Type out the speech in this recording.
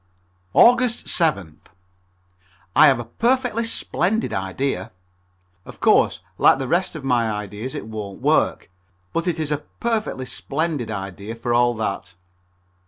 Aug. 7th. I have a perfectly splendid idea. Of course, like the rest of my ideas it won't work, but it is a perfectly splendid idea for all that.